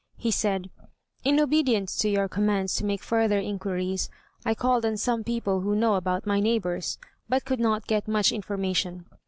He said, "In obedience to your commands to make further inquiries, I called on some people who know about my neighbors, but could not get much information.